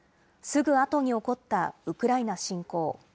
すぐあとに起こったウクライナ侵攻。